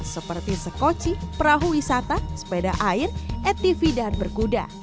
seperti sekoci perahu wisata sepeda air etv dan berkuda